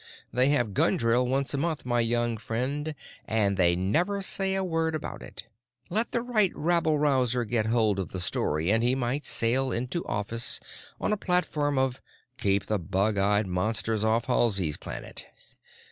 "They have gun drill once a month, my young friend, and they never say a word about it. Let the right rabble rouser get hold of the story and he might sail into office on a platform of 'Keep the bug eyed monsters off of Halsey's Planet.